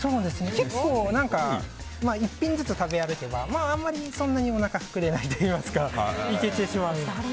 結構、１品ずつ食べ歩けばあんまりそんなにおなか膨れないといいますかいけてしまう。